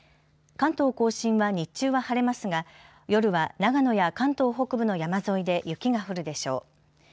関東甲信は日中は晴れますが夜は、長野や関東北部の山沿いで雪が降るでしょう。